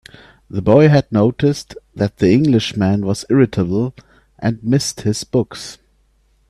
The boy had noticed that the Englishman was irritable, and missed his books.